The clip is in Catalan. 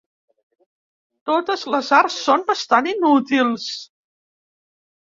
Totes les arts són bastant inútils.